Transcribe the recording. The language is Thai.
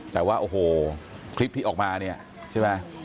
แต่ว่าโอ้โหคลิปที่ออกมาเนี่ยใช่ไหม